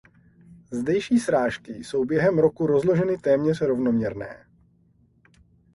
Zdejší srážky jsou během roku rozloženy téměř rovnoměrné.